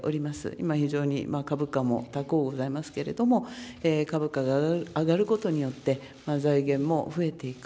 今、非常に株価もたこうございますけれども、株価が上がることによって、財源も増えていく。